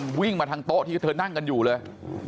มันวิ่งมาทางโต๊ะที่เธอนั่งกันอยู่เลย